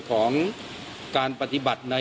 อันนี้มันต้องมีเครื่องชีพในกรณีที่มันเกิดเหตุวิกฤตจริงเนี่ย